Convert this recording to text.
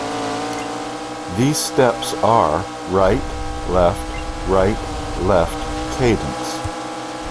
These steps are: right, left, right, left, cadence.